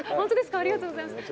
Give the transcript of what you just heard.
ありがとうございます。